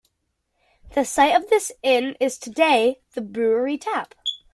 The site of this inn is today the Brewery Tap.